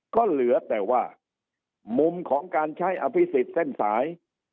ก็เหลือแต่ว่ามุมของการใช้อภิษฎเส้นสาย